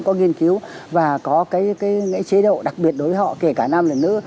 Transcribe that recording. có nghiên cứu và có cái chế độ đặc biệt đối với họ kể cả nam là nữ